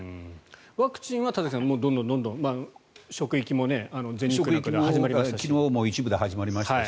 ワクチンは田崎さんどんどん職域も始まりましたよね。